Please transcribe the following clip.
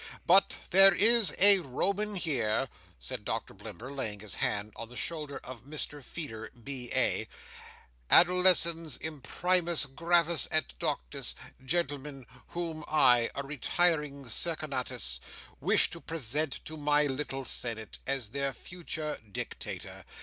But there is a Roman here," said Doctor Blimber, laying his hand on the shoulder of Mr Feeder, B.A., "adolescens imprimis gravis et doctus, gentlemen, whom I, a retiring Cincinnatus, wish to present to my little senate, as their future Dictator.